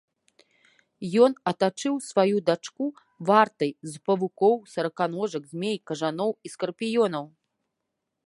Ён атачыў сваю дачку вартай з павукоў, сараканожак, змей, кажаноў і скарпіёнаў.